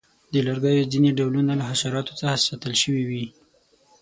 د لرګیو ځینې ډولونه له حشراتو څخه ساتل شوي وي.